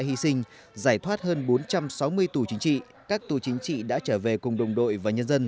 hy sinh giải thoát hơn bốn trăm sáu mươi tù chính trị các tù chính trị đã trở về cùng đồng đội và nhân dân